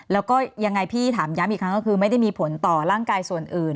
แล้วก็ยังไงพี่ถามย้ำอีกครั้งก็คือไม่ได้มีผลต่อร่างกายส่วนอื่น